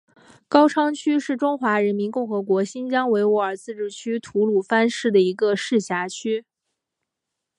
高昌区是中华人民共和国新疆维吾尔自治区吐鲁番市的一个市辖区。